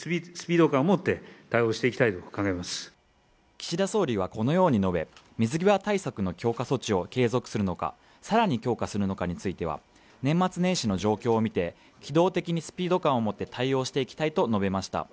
岸田総理はこのように述べ水際対策の強化措置を継続するのかさらに強化するのかについては年末年始の状況を見て機動的にスピード感をもって対応していきたいと述べました